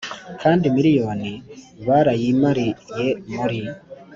kandi miriyoni barayimariye muri